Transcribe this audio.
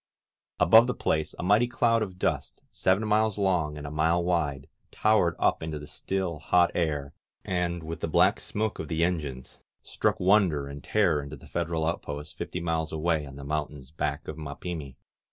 Above the place a mighty cloud of dust, seven miles long and a mile wide, towered up into the still, hot air, and, with the black smoke of the en gines, struck wonder and terror into the Federal out posts fifty miles away on the mountains back of Ma pimi.